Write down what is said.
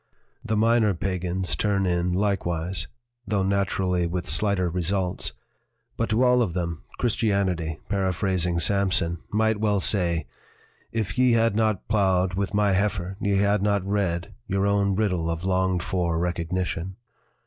The minor pagans turn in likewise, though natu rally with slighter results. But to all of them, Christianity, paraphrasing Samson, might well say: "If ye had not plowed with my heifer, ye had not read your own riddle of longed for recognition.'